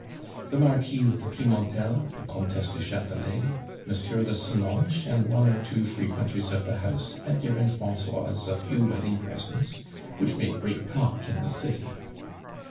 The Marquise de Pimentel, the Comtesse du Chatelet, M. de Senonches, and one or two frequenters of the house had given Francoise a few wedding presents, which made great talk in the city.